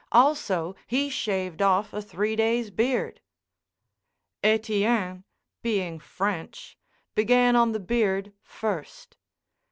Also, he shaved off a three days' beard. Etienne, being French, began on the beard first.